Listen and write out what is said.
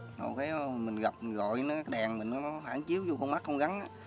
mình gặp gọi cái đèn nó khoảng chiếu vô con mắt con gắn